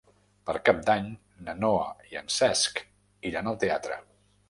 Per Cap d'Any na Noa i en Cesc iran al teatre.